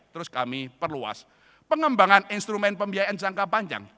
terus kami perluas pengembangan instrumen pembiayaan jangka panjang